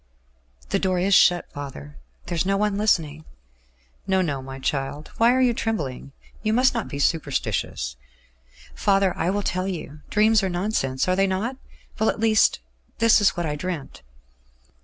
"The door is shut, father? There is no one listening?" "No, no, my child. Why are you trembling? You must not be superstitious." "Father, I will tell you. Dreams are nonsense, are they not? Well, at least, this is what I dreamt.